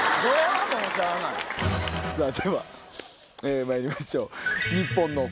ではまいりましょう。